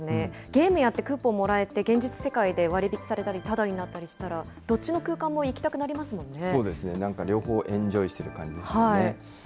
ゲームやってクーポンもらえて、現実世界で割り引きされたり、ただになったりしたら、どっちの空そうですね、なんか両方、エンジョイしてる感じですよね。